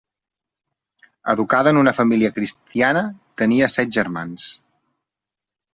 Educada en una família cristiana, tenia set germans.